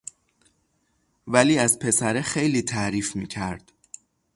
ولی از پسره خیلی تعریف می کرد